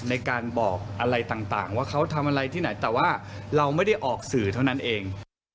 ในการบอกอะไรต่างว่าเขาทำอะไรที่ไหนแต่ว่าเราไม่ได้ออกสื่อเท่านั้นเอง